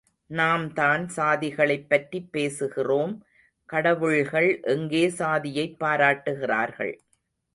நாம்தான் சாதிகளைப் பற்றிப் பேசுகிறோம் கடவுள்கள் எங்கே சாதியைப் பாராட்டுகிறார்கள்.